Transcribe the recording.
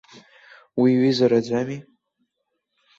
Уи ҩызараӡами?